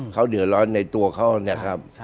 เขาเดือดร้อนในตัวเขานะครับ